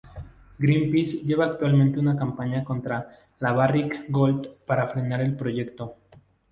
Greenpeace lleva actualmente una campaña contra la Barrick Gold para frenar el proyecto.